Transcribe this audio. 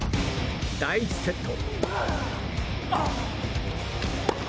第１セット。